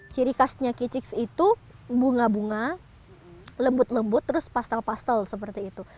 ciri khasnya kicix itu bunga bunga lembut lembut terus pastel pastel seperti itu